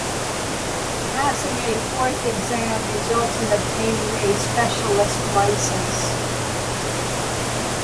Passing a fourth exam results in obtaining a 'specialist' license.